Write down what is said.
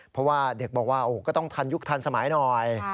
เพราะว่าเด็กบอกว่าก็ต้องทันยุคทันสมัยหน่อย